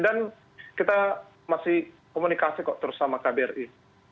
dan kita masih komunikasi kok terus sama kbri